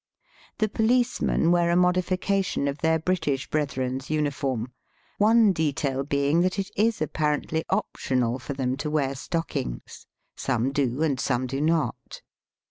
The policemen wear a modification of their British brethren's uni form, one detail being that it is apparently optional with them to wear stockings. Some do and some do not.